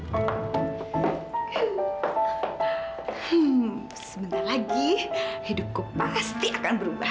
hmm sebentar lagi hidupku pasti akan berubah